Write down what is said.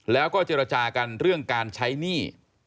แล้วก็เจรจากันเรื่องการใช้หนี้